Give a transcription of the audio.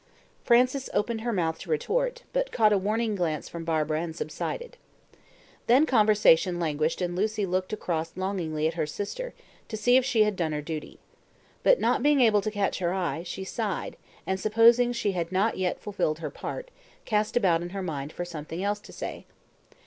Frances opened her mouth to retort, but caught a warning glance from Barbara and subsided. Then conversation languished and Lucy looked across longingly at her sister, to see if she had done her duty. But not being able to catch her eye, she sighed, and supposing she had not yet fulfilled her part, cast about in her mind for something else to say.